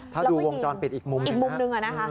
ถ้าดูวงจรปิดอีกมุมหนึ่ง